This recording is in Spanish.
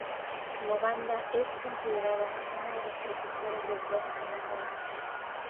La banda es considerada una de las precursoras del rock en el país.